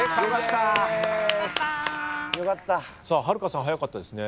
春香さん早かったですね。